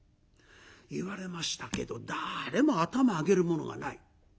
言われましたけど誰も頭上げる者がない。